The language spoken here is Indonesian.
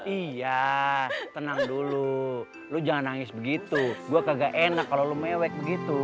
iya tenang dulu lu jangan nangis begitu gua kagak enak kalau mewek begitu